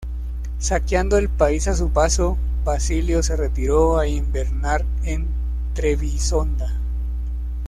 Saqueando el país a su paso, Basilio se retiró a invernar en Trebisonda.